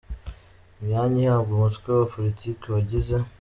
Imyanya ihabwa umutwe wa politiki wagize